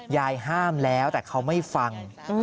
ห้ามแล้วแต่เขาไม่ฟัง